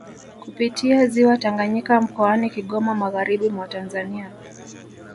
Kupitia ziwa Tanganyika mkoani Kigoma magharibi mwa Tanzania